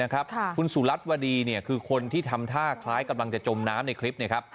คุณสุรัตนวดีคือคนที่ทำท่าคล้ายกำลังจะจมน้ำในคลิป